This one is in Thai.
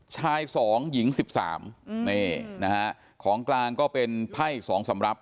ชาย๒หญิง๑๓ของกลางก็เป็นไพ่๒สำรับ